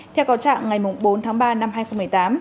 theo cầu trạng ngày bốn tháng ba năm hai nghìn một mươi tám